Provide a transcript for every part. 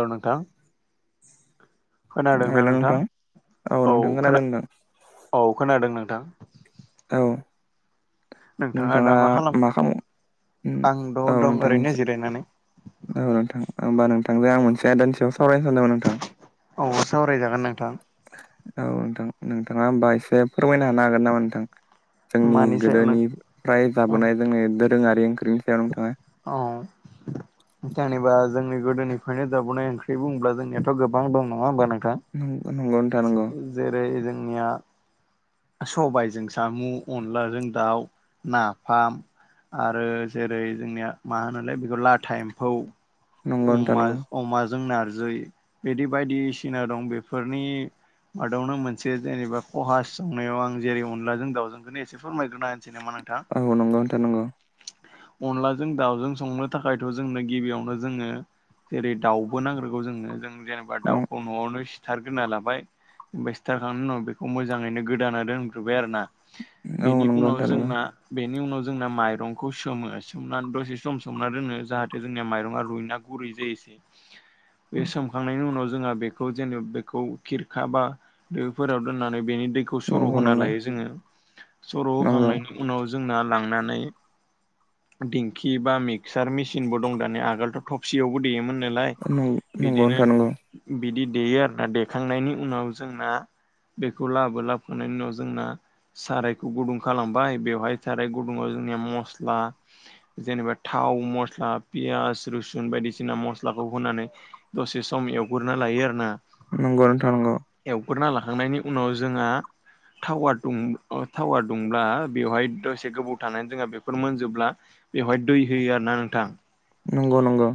औ नोंथां खोनादोंना नोंथां औ नोंथां खोनादों खोना नोंथां औ खोनादों नोंथां औ। नोंथाङा मा खामो उम आं द' औ दं ओरैनो नोंथांनिसो। जिरायनानै औ नोंथां होमबा नोंथांजों आं मोनसे आयदानि सायाव सावरायनो सानदोंमोन नोंथां। औ सावरायजागोन नोंथां। औ नोंथां नोंथाङा होमबा एसे फोरमायनो हानो हागोन नामा नोंथां? जोंनि मानि सायाव नों गोदोनिफ्राय औ जाबोनाय जोंनि दोरोङारि ओंख्रिनि सायाव नोंथाङा। औ जेनेबा जोंनि गोदोनिफ्रायनो जाबोनाय ओंख्रि इ बुङोब्ला जोंनियाथ' गोबां दं नङा होनबा नोंथां। नंग नंगौ नोंथां नंगौ। जेरै जोंनिया स'बाइजों सामु, अनलाजों दाउ, नाफाम। आरो जेरै जोंनिया मा होनोलाय बेखौ लाथा एम्फौ नंगौ नोंथां नंगौ अमाज अमाजों नारजै बिदि बायदिसिना दं बेफोरनि मादावनो मोनसे जेनेबा खहास संनायाव आं जेरै अनलाजों दावउजोंखौनो एसे फोरमायग्रोना होनसै नामा नोंथां? औ नंगौ नोंथां नंगौ। अनलाजों दाउजों संनो थाखायथ' जोंनो गिबियावनो जोङो जेरै दाउबो नांग्रोगौ जोंनो जों जेनेबा दाउखौ नंगौ न'आवनो सिथारग्रोना लाबाय ओमफाय सिथारखांनायनि उनाव बेखौ मोजाङैनो गोदाना दोनग्रोबाय आरोना बेनि उनाव नोंथां नंगौ जोंना बेनि उनाव जोंना माइरंखौ सोमो सोमनानै दसे सम सोमना दोनो जाहाथे जोंनिया माइरंआ रुइना गुरै जायोसै बे सोमखांनायनि उनाव जोंहा बे खौ जेनब बेखौ खिरखा बा दोफोराव दोननानै बेनि दैखौ सर' नंगौ होना नंगौ लायो जोङो। सर' नंगौ होखांनायनि उनाव जोंना लांनानै दिंखि एबा मिक्सार मेसिनबो दं दानिया आगोलथ' थफसियावबो देयोमोन नालाय नंगौ बिदिनो नोंथां नंगौ बिदि देयो आरोना देखांनायनि उनाव जोंना बेखौ लाबो-लाब बोनायनि उनाव जोंना सारायखौ गुदुं खालामबाय बेवहाय साराय गुदुंङाव जोंनिया मस्ला जेनेबा थाव मस्ला पियास रुसुन बायदिसिना मस्लाखौ होनानै दसे सम एवग्रोना लायो आरो ना। नंगौ नोथां नंगौ। एवग्रोना लाखांनायनि उनाव जोंहा टावा दुं अ टावा दुंब्ला बेवहाय दसे गोबाव थानानै जोंहा बेफोर मोनजोबब्ला बेवहाय दै होयो आरो ना नोंथां। नंगौ-नंगौ।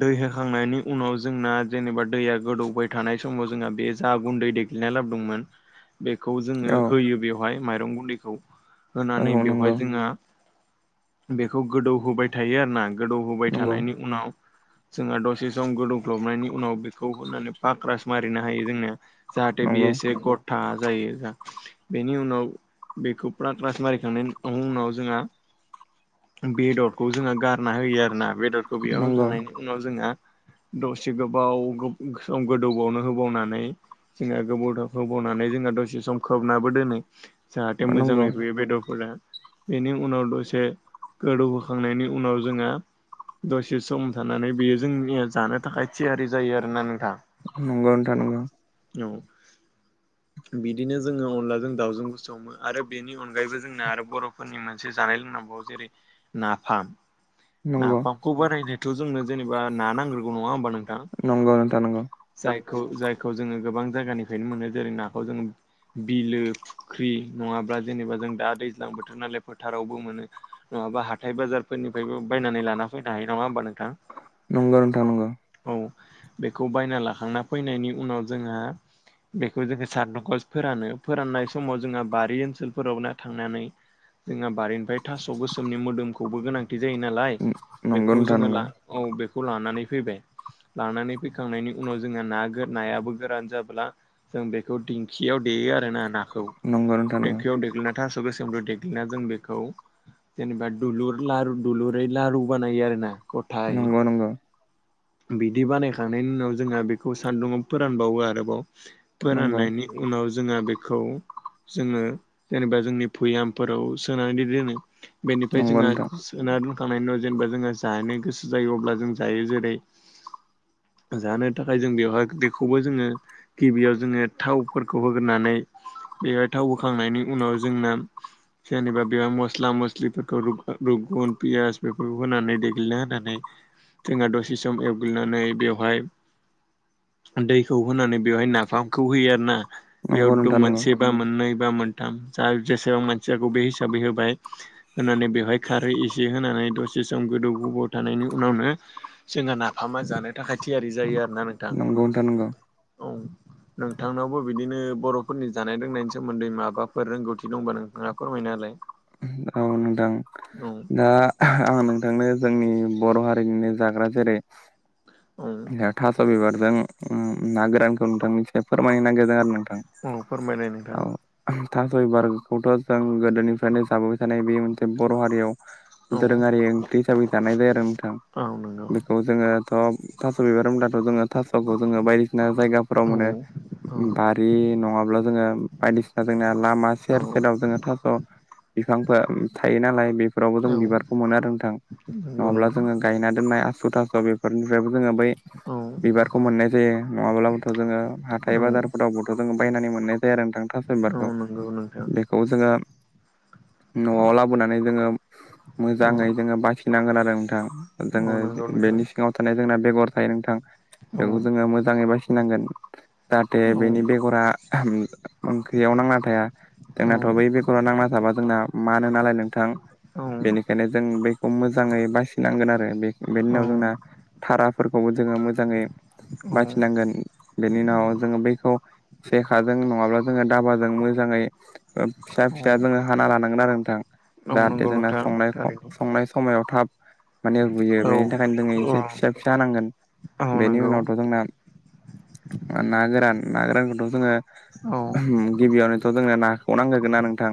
दै होखांनायनि उनाव जोंना जेनेबा दैया गोदौबाय थानाय समाव जोंहा बे जा गुन्दै दे ग्लिना लाबोदोंमोन खौ जोङो औ होयो बेवहाय माइरं गुन्दैखौ होनानै औ बेवहाय नंगौ जोङा बेखौ गोदौहोबाय थायो आरोना गोदौ होबाय नंगौ थानायनि उनाव जोंहा दसे सम गोदौग्लबनायनि उनाव बेखौ होनानै फाक्रास मारिनो हायो जोङो। जाहाथे नंगौ बेयो एसे ग'था जायो। [unintelligible] बेनि उनाव बेखौ फ्रा क्लास मारिखांनायनि उनाव जोंहा बेदरखौ जोङो गारना होयो आरोना बेदरखौ बेयाव नंगौ होखांनायनि उनाव जोंहा दसे गोबाव गोब सम गोदौबावनो होबावनानै जोंहा गोबौदब होबावनानै जोंहा दसे सम खोबनाबो दोनो जाहाथे नंगौ मोजाङै रुयो बेदरफोरा बेनि उनाव दसे गोदौहोखांनायनि उनाव जोंहा दसे सम थानानै बेयो जोंनिया जानो थाखाय थियारि जायो आरोना नोंथां। नंगौ नोंथां नंगौ। औ बिदिनो जोङो अनलाजों दाउजों बो सङो आरो बेनि अनगायैबो जोंना आरो बर'फोरनि मोन मोनसे जानाय लोंनांगौ जेरै नाफाम नंगौ नाफाम खौ बारायनोथ' जोंनो जेनेबा ना नांग्रोगौ नङा होमबा नोंथां नंगौ नोंथां नांगौ जायखौ जायखौ जोङो गोबां जायगानिफ्रायनो मोनो जेरै नाखौ जोङो बिलो फुख्रि नङाब्ला जेनेबा जों दा दैज्लां बोथोर नालाय फोथारावबो मोनो नङाबा हाथाय बाजारफोरनिफ्रायबो बायनानै लाना फैनो हायो नङा होमबा नोंथां नंगौ नोंथां नंगौ औ बेखौ बायना लाखांना फैनायनि उनाव जोंहा बेखौ जोङो सानदुंखो फोरानो फोराननाय समाव जोंहा बारि ओनसोलफोराव ना थांनानै जोंहा बारिनिफ्राय थास' गोसोमनि मोदोमखौबो गोनांथि जायो नालाय बेखौ जोङो ला औ बेखौ लानानै फैबाय लानानै फैखांनायनि उनाव जोंहा ना नायाबो गोरान जाब्ला जों बेखौ दि दिंखियाव देयो आरोना नाखौ नंगौ नोंथां नंगौ देंखियाव देग्लिना थास सोमदु देग्लिना जों बेखौ जेनेबा दुलुर लारु दुलुरै लारु बानायायो आरो ना गथाहै नंगौ नोंथां बिदि बानायखांनायनि उनाव जोंहा बेखौ सान्दुङाव फोरानबावो आरोबाव नंगौ फोराननायनि उनाव जोङो बेखौ जोङो जेनेबा जोंनि भुयामफोराव सोनानै दैदो नंगौ बेनिफ्राय जोंहा सोना दोनखांनायनि उनाव जेनेबा जोंहा जानो गोसो जायो अब्ला जों जायो जेरै जानो थाखाय जों बेवहाय बेखौबो जोङो गिबियाव जोङो थाव फोरखौ होग्रोनानै बेहाय थाव होखांनायनि उनाव जोंना जेनेबा बे मस्ला मस्लिफोरखौ रुगुन पियास बेफोरखौ होनानै देग्लिना होनानै जोंहा दसे सम एवग्लिनानै बेवहाय दैखौ होनानै बेवहाय नाफामखौ होयो आरोना नंगौ बेयाव नोंथां मोनसे बा मोननै बा मोनथाम जा जेसेबां मानसियाखौ बे हिसाबै होबाय होनानै बेवहाय खारै एसे होनानै दसे सम गोदौ गोबाव थानायनि उनावनो जोंहा नाफामा जानाय थाखाय थियारि जायो आरोना नोंथां नंगौ नंगौ नोंथां नंगौ औ नोंथांनाव बिदिनो बर'फोरनि जानाय लोंनायनि सोमोन्दै माबाफोर रोंगौथि दंबा नोंथाङा फोरमायना होलाय औ नोंथां औ दा आं नोंथांनो जोंनि बर' हारिनिनो जाग्रा जेरै ओं दा थास' बिबारजों ना गोरानखौ नोंथांनिसे फोरमायनो नागिरदों आरो नोंथां औ फोरमायनाय नोंथां औ थास' बिबारखौथ' जों गोदोनिफ्रायनो जाबोबाय थानाय बे मोनसे बर' हारियाव औ दोरोङारि ओंख्रि हिसाबै जानाय जायो आरो नोंथां औ नंगौ बेखौ जोङोथ' थास' बिबार होनब्लाथ' जोङो थास'खौ जोङो बायदिसिना जायगाफोराव औ मोनो बि नङाब्ला जोङो बायदिसिना जोंना लामा औ सेर सेराव जोङो थास' बिफांफोर थायो नालाय बे फोरावबो जों बिबारखौ मोनो आरो नोंथां नंगौ नङाब्ला नोंथां जोङो गायना दोननाय आसु थास' बेफोरनिफ्रायबो जोङो बै औ बिबारखौ मोननाय जायो नङाब्लाबोथ' जोङो हाथाय औ बाजारफोरावबो जो बायनानै मोननाय जायो आरो नोंथां थास' औ बिबारखौ नंगौ नोंथां बेखौ जोङो न'आव लाबोनानै जोङो औ मोजाङै जोङो बाखिनांगोन आरो नोंथां औ जोङो नंगौ नोंथां बेनि सिङाव थानाय जोंना बेगर थायो नोंथां औ बेखौ जोङो मोजाङै बासिनांगोन जाहाथे औ बेनि बेगरा ओंखैयाव नांना थाया औ जोंनाथ' बै बेगराव नांना थाबा जोंना मानो नालाय नोंथां औ बेनिखायनो जों बेखौ मोजाङै बासिनांगोन आरो बे बेनि उनाव जोंना थाराफोरखौबो जोङो मोजाङै औ बाथिनांगोन। बेनि औ उनाव जोङो बैखौ सेखाजों नङाब्ला जोङो दाबाजों मोजाङै ओ फिसा औ फिसा जोङो हाना लानांगोन आरो नोंथां। औ जाहाथे नंगौ जोंना नोंथां संनाय थारैनो संनाय समायाव थाब माने गुयो औ बेनि थाखायनो जोङो औ एसे फिसा फिसा हांगोन। औ बेनि नंगौ उनावथ' जोंना ओ ना गोरान ना गोरान खौथ' जोङो औ गिबियावनोथ' जोंनो नाखौ नांगोरगोनना नोंथां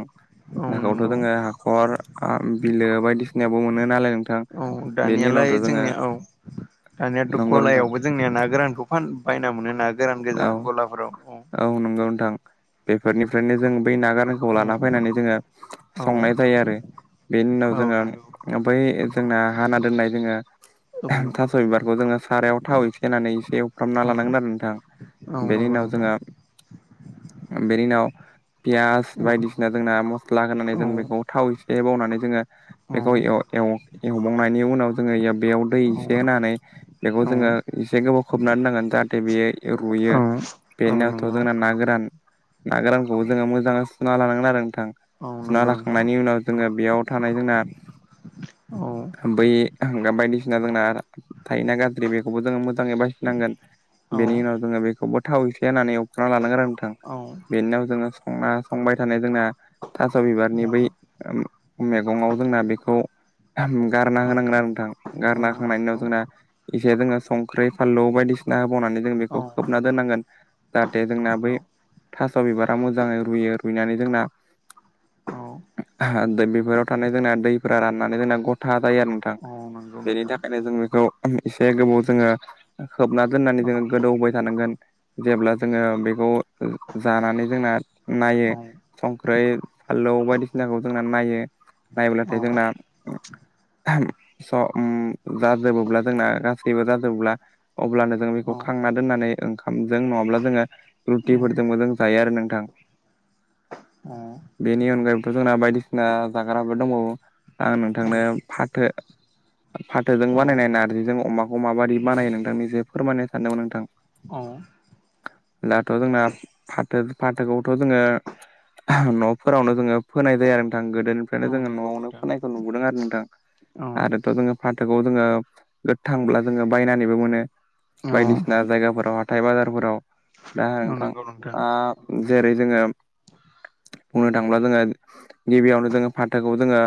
औ नाखौथ' नंगौ जोङो हाखर आं बिलो बायदिसिनायाबो मोनो नालाय नोंथां। औ बेनि दानियालाय उनावथ' जोङो जोंनिया औ दानियाथ' नंगौ नोंथां गलायावबो जोंनिया ना गोरानखौ फान बायना मोनो ना गोरान गोजा औ गलाफोराव। औ नंगौ नोंथां बेफोरनिफ्रायनो जों बै नागोरान खौ लाना फैनानै जोङो औ संनाय जायो आरो। बेनि उनाव औ जोङो नंगौ ओमफाय ओ जोंना हाना दोननाय जोङो औ थास' बिबारखौ जोङो सारायाव थाव एसे होननानै एसे एवफ्रामना लानांगोन औ आरो नोंथां। औ नंगौ नोंथां उम बेनि उनाव फियास औ बायदिसिना जोंना मस्ला होनानै जों औ बेखौ थाव एसे बावनानै जोङो बेखौ औ एव-एव-एवबावनायनि उनाव जोङो बेयाव दै से होनानै बेखौ औ जोङो औ एसे गोबाव खोबनानै होनांगोन जाहाथे बेयो औ रुयो। औ बेनि उनावथ' नंगौ जोंना ना गोरान ना गोरानखौ जोङो मोजाङै सुना लानांगोन आरो नोंथां। औ सुना नंगौ नोंथां लाखांनायनि उनाव जोङो बेयाव थानाय जोंना औ बै हांगा बायदिसिना जोंना थायोना गाज्रि बेखौबो जोङो मोजाङै बासि नांगोन। औ बेनि उनाव जोङो बेखौबो थाव एसे होननानै अवखांना लानांगोन आरो नोंथां। औ बिनाव जोङो संना संबाय थानाय जोंना थास' औ बिबारनि बै ओम मेगङाव जोंना बेखौ गारना औ होनांगोन आरो नोंथां। औ गारना खांनायनि नंगौ उनाव इसे जोङो संख्रै, फानलु बायदिसिना होबावनानै जों औ बेखौ खोबना दोननांगोन जाहाथे जोंना बै नंगौ थास' बिबारा मोजाङै रुयो रुयनानै जोंना औ दै बेफोराव थानाय जोंना दैफोरा राननानै जोंना गथा जायो आरो नों थां औ नंगौ बेनि नोंथां थाखायनो जों बेखौ उम एसे गोबाव जोङो खोबना दोननानै औ जोङो गोदौ होबाय थानांगोन। जेब्ला जोङो बेखौ जानानै जोंना नायो औ संख्रै, फानलौ बायदिसिनाखौ जोंना नायो। औ नायोब्लाथाय जोंना स' अम जा जोबोब्ला जोंना गासैबो जाजोबबोब्ला अब्लानो जों बेखौ औ खांना दोननानै ओंखामजों नङाब्ला जोङो रुटिफोरजोंबो जों जायो आरो नोंथां। आ बेनि अनगायैबोथ' जोंना बायदिसिना जाग्राबो दंबावो। आं नोंथांनो फाथो फाथोजों औ नंगौ नोंथां औ बानायनाय नारजिजों अमाखौ माबायदि बानायो औ नोंथांनि एसे फोरमायनो सानदोंमोन नोंथां। अ' दाथ' जोंना फाथो फाथोखौबोथ' जोङो न'फोरावनो जोङो फोनाय जायो आरो नोंथां। गोदोनि खायनो औ जोङो नंगौ न'आवनो नोंथां फोनायखौ नुबोदों आरो नोंथां। औ आरोथ' जोङो थोखौ जोङो गोथांब्ला जोङो बायनानैबो मोनो औ बायदिसिना जायगाफोराव हा थाय बाजारफोराव दा औ नोंथां नंगौ नंगौ आ जेरै जोङो बुंनो थांब्ला जोङो गिबियावनो जोङो फाथोखौ जोङो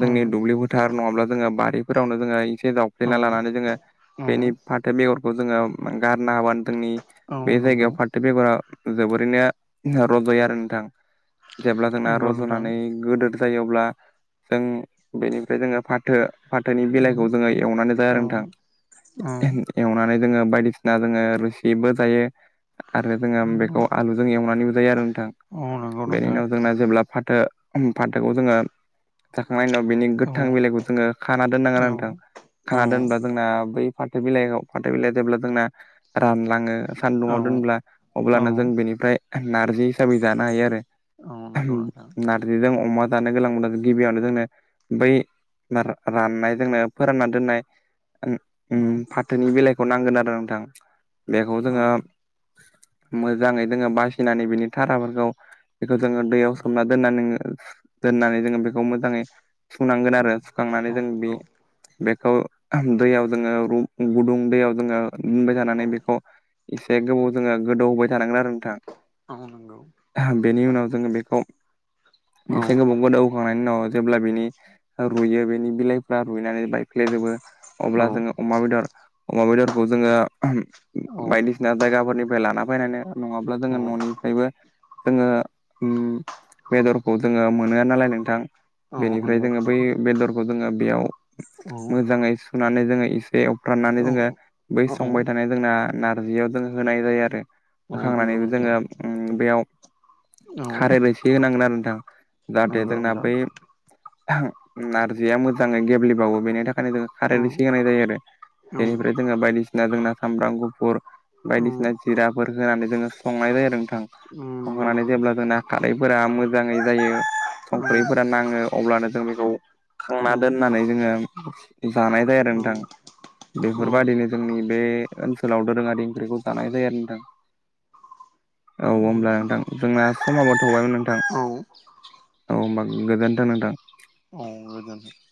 जोंनि दुब्लि फोथार नङाब्ला जोङो बारिफोरावनो जोङो एसे जाव फ्लेना लानानै जोङो बेनि फाथो बेगरखौ जोङो गारना होबानो जोंनि औ बे नंगौ जायगायाव फाथो बेगरा जोबोरैनो रज'यो आरो नोंथां। जेब्ला जोंना रज'नानै गोदोर जायोब्ला जों बेनिफ्राय जोङो फाथो हाथायनि बेलाइखौ जोङो एवनानै जाया नोंथां एवनानै जोङो बायदिसिना जोङो रोसिबो जायो आरो जोङो बेखौ आलुजों एवनानैबो जायो आरो नोंथां बेनि नोंथां उनाव जोंना जेब्ला फाथो फान्थोखौ जोङो जाखांनायनि उनाव बिनि गोथां बिलाइखौ जोङो खाना दोननांगोन औ आरो नोंथां औ खाना औ दोनब्ला जोंना बै फाथो बिलाइआव फाथो बिलाइ जेब्ला जोंना रानलाङो औ सान्दुंआव दोनब्ला औ अब्लानो जों बेनिफ्राय नारजि हिसाबै जानो हायो आरो नंगौ नोंथां [unintelligible] खारैजों अमा जानो गोलांब्ला जो‌ गिबियावनो जोंनो बै [unintelligible] राननाय जोंनो फोरानना दोननाय उम उम औ फाथोनि बेलाइखौ नांगोन आरो नोंथां बेखौ औ जोङो मोजाङै दोङो बासिनानै बिनि थाराफोरखौ बेखौ जोङो औ दैयाव सोमना दोनना नोङो दोननानै जोङो बेखौ मोजाङै सुनांगोन औ आरो सुखांनानै औ जों बे नंगौ बेखौ दैयाव जोङो रु गुदुं दैयाव जोङो दुनबाय औ थानानै बेखौ एसे गोबाव जोङो गोदौ होबाय थानांगोन आरो नोंथां। मावनांगौ बेनि उनाव जोङो बेखौ औ एसे गोबाव गोदौखांनायनि उनाव जेब्ला बिनि रुइयो बेनि बिलाइफ्रा रुइनानै बायफ्लेजोबो औ अब्ला जोङो अमा बेदर अमा बेदरखौ जोङो उम औ बायदिसिना जायगाफोरनिफ्राय लाना फैनानै नङाब्ला औ जोङो न'निफ्रायबो जोङो उम बेदरखौ जोङो मोनो नालाय नोंथां औ बेनिफ्राय नंगौ जोङो नोंथां बै बेदरखौ जोङो बेयाव औ मोजाङै सुनानै जोङो एसे फोराननानै औ जोङो बै औ संबाय नंगौ थानाय जोंना नारजियाव जों होनाय जायो आरो। नोंथां औ नंगौ नोंथां औ नंगौ होखांनानैबो नोंथां औ जोङो उम बेयाव औ खारै एसे होनांगोन आरो नोंथां। जाहाथे जोंना औ बै नारजिया मोजाङै गेब्लेबावो बेनि थाखायनो जोङो खारै औ रैसे होनाय जायो आरो बेनिफ्राय जोंङो बायदिसिना जोंना सामब्राम गुफुर बायदिसिना जिराफोर होनानै जोङो संनाय जायो आरो नोंथां। संखांनानै जेब्ला जोंना खारैफोरा मोजाङै जायो संख्रिफोरा नाङो अब्लानो जों बेखौ खांना दोननानै जोङो जानाय जायो आरो नोंथां बेफोरबायदिनो जोंनि बे ओनसोलाव दोरोङारि ओंख्रिखौ जानाय जायोआरो नोंथां। औ होमब्ला नोंथां जोंना समाबो थौबायमोन नोंथां। औ होमबा गोजोनथों नोंथां। अ [unintelligible]